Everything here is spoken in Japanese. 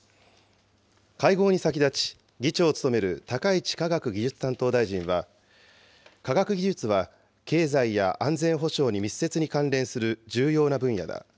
会合に先立ち、議長を務める高市科学技術担当大臣は、科学技術は、経済や安全保障に密接に関連する重要な分野だ。